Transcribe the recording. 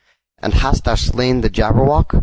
"And hast thou slain the Jabberwock?